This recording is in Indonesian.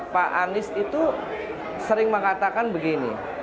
pak anies itu sering mengatakan begini